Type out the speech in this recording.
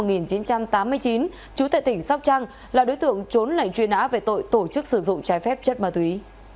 năm một nghìn chín trăm tám mươi chín chú tại tỉnh sóc trăng là đối tượng trốn lại truy nã về tội tổ chức sử dụng trái phép chất ma túy